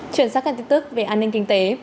chuyển sang các tin tức về an ninh kinh tế